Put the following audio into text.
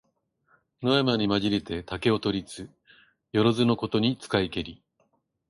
野山にまじりて竹を取りつ、よろづのことに使いけり。